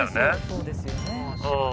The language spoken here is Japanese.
そうですよね。